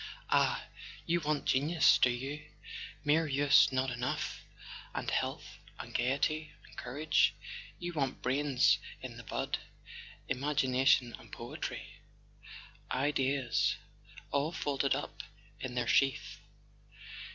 "Ah, you want genius, do you? Mere youth's not enough ... and health and gaiety and courage; you want brains in the bud, imagination and poetry, ideas A SON AT THE FRONT all folded up in their sheath!